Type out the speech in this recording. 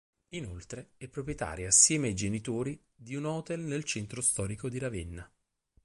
Inoltre, è proprietaria assieme ai genitori di un hotel nel centro storico di Ravenna.